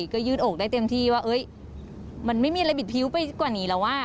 ก็ยืดอกได้เต็มที่ว่ามันไม่มีอะไรบิดพิ้วไปกว่านี้แล้วว่ะ